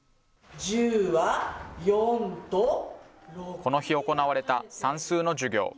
この日行われた算数の授業。